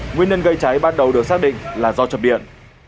nguyên nhân gây cháy ban đầu được xác định là do chập điện